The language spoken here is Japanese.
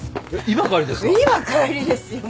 今帰りですよ。